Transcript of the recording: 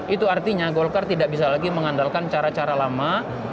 itu artinya golkar tidak bisa lagi mengandalkan cara cara lama